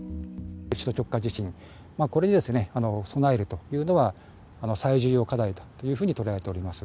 首都直下地震、これに備えるというのは、最重要課題というふうに捉えております。